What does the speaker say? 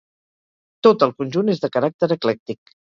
Tot el conjunt és de caràcter eclèctic.